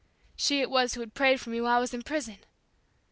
She it was who had prayed for me while I was in prison.